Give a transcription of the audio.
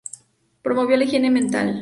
Promovió la higiene mental.